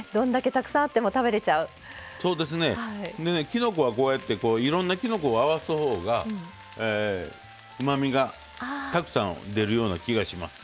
きのこはこうやっていろんなきのこを合わすほうがうまみがたくさん出るような気がします。